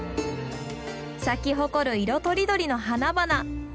咲き誇る色とりどりの花々。